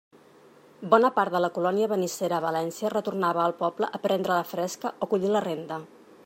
Bona part de la colònia benissera a València retornava al poble a prendre la fresca o collir la renda.